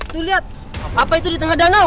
tuh liat apa itu di tengah danau